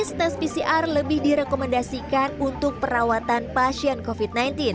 tes pcr lebih direkomendasikan untuk perawatan pasien covid sembilan belas